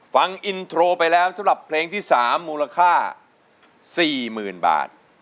ฟังอินโทรไปแล้วสำหรับเพลงที่สามมูลค่าสี่หมื่นบาท